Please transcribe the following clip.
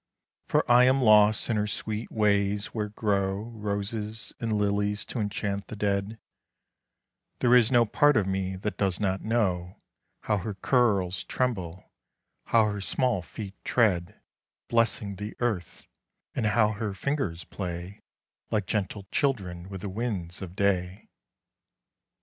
For I am lost in her sweet ways where grow Roses and lilies to enchant the dead, There is no part of me that does not know How her curls tremble, how her small feet tread Blessing the earth, and how her fingers play Like gentle children with the winds of day.